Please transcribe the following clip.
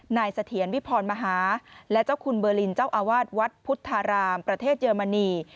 เสถียรวิพรมหาและเจ้าคุณเบอร์ลินเจ้าอาวาสวัดพุทธารามประเทศเยอรมนี